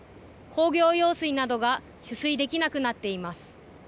工業用水などが取水できなくなっています。